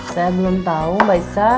saya belum tau mbak isah